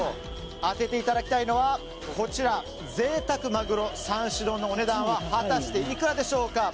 当てていただきたいのは贅沢マグロ３種丼のお値段は果たしていくらでしょうか。